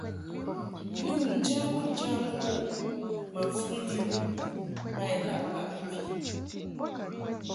Lɨm njamɨŋjamɨ wuʼ ma fuŋ yum ma ilaʼ baʼ mvi.